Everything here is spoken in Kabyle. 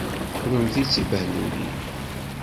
Kennemti d tibehlulin!